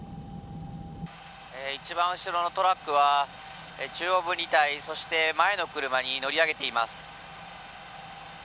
一番後ろのトラックは中央分離帯そして前の車に乗り上げています。